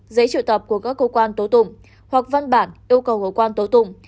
giấy triệu tập của các cơ quan tố tụng hoặc văn bản yêu cầu cơ quan tố tụng